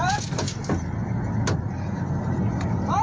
เฮ้ยพี่ใจเย็น